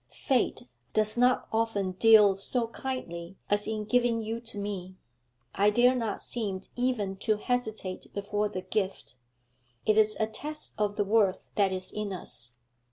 'Fate does not often deal so kindly as in giving you to me; I dare not seem even to hesitate before the gift. It is a test of the worth that is in us.